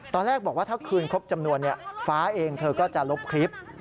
ตอนแรกบอกว่าถ้าคืนครบจำนวนฟ้าเองเธอก็จะลบคลิป